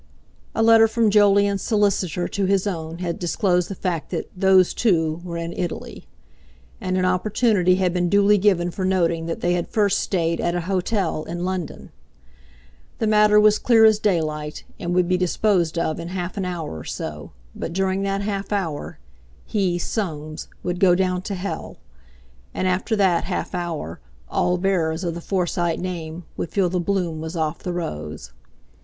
A letter from Jolyon's solicitor to his own had disclosed the fact that "those two" were in Italy. And an opportunity had been duly given for noting that they had first stayed at an hotel in London. The matter was clear as daylight, and would be disposed of in half an hour or so; but during that half hour he, Soames, would go down to hell; and after that half hour all bearers of the Forsyte name would feel the bloom was off the rose.